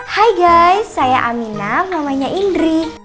hai guys saya aminah namanya indri